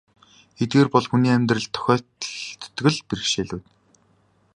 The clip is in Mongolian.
Эдгээр бол хүний амьдралд тохиолддог л бэрхшээлүүд.